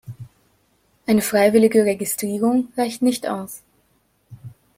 Eine freiwillige Registrierung reicht nicht aus.